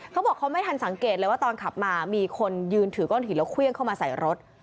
เขาบอกเขาไม่ทันสังเกตเลยว่าตอนขับมามีคนยืนถือก้อนหินแล้วเครื่องเข้ามาใส่รถ